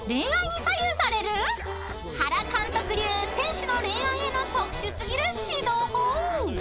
［原監督流選手の恋愛への特殊過ぎる指導法］